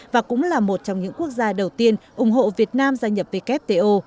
và cũng là một trong những quốc gia đầu tiên ủng hộ việt nam gia nhập wto